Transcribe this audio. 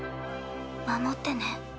守ってね。